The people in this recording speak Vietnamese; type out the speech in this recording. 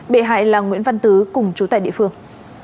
bị hại là nguyễn văn tứ cùng chú tại địa phương